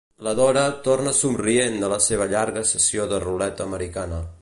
La Dora torna somrient de la seva llarga sessió de ruleta americana.